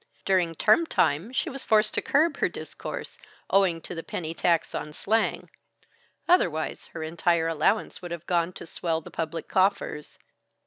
During term time she was forced to curb her discourse, owing to the penny tax on slang. Otherwise, her entire allowance would have gone to swell the public coffers.